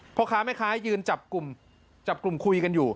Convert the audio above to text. พ่อค้าแม่ค้ายืนจับกลุ่มคุยกันอยู่